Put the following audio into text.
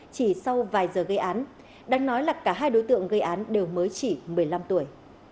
chỉ sau vài giờ gây án đang nói là cả hai đối tượng gây án đều mới chỉ một mươi năm tuổi